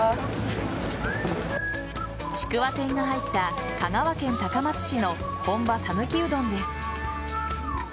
ちくわ天が入った香川県高松市の本場さぬきうどんです。